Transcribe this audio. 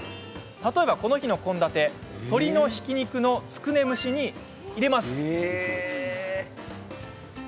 例えば、この日の献立鶏のひき肉のつくね蒸しに入れます。